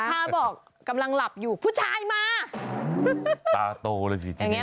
ถ้าบอกกำลังหลับอยู่ผู้ชายมาตาโตจริง